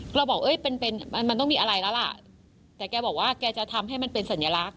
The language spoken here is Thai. ก็เราบอกเป็นมันต้องมีอะไรล่ะแต่แกบอกว่าแกจะทำให้มันเป็นสัญลักษณ์